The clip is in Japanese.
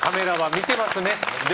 見てますね。